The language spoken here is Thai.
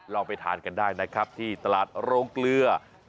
ไปทานกันได้นะครับที่ตลาดโรงเกลือ